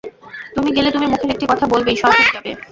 তুমি গেলে, তুমি মুখের একটি কথা বললেই সব হয়ে যাবে।